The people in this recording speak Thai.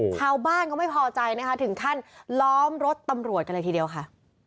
ชาวบ้านเขาไม่พอใจนะคะถึงขั้นล้อมรถตำรวจกันเลยทีเดียวค่ะ